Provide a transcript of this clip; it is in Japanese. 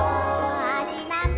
「あじなの」